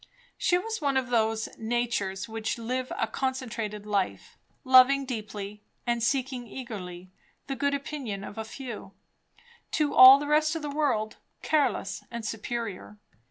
She was one of those natures which live a concentrated life; loving deeply and seeking eagerly the good opinion of a few; to all the rest of the world careless and superior.